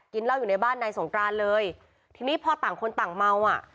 เหล้าอยู่ในบ้านนายสงกรานเลยทีนี้พอต่างคนต่างเมาอ่ะ